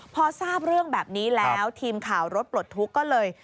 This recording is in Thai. พอทราบเรื่องแบบนี้แล้วทีมข่าวรถปลดทุกข์ก็เลย